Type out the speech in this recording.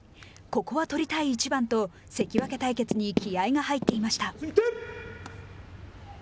ここは取りたい一番と関脇対決に気合いが入っていました。